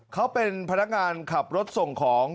เขาเป็นพนักงานขับรถส่งของ